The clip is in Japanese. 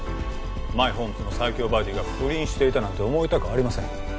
「マイホームズ」の最強バディが不倫していたなんて思いたくありません